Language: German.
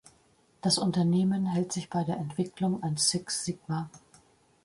Das Unternehmen hält sich bei der Entwicklung an Six Sigma.